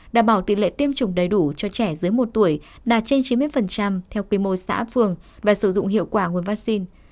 đảm bảo tỷ lệ tiêm chủng đầy đủ cho trẻ dưới một tuổi đạt trên chín mươi theo quy mô xã phường và sử dụng hiệu quả nguồn vaccine